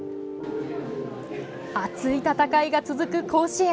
熱い戦いが続く甲子園。